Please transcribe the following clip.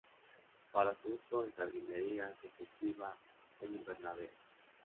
Para su uso en jardinería se cultiva en invernaderos.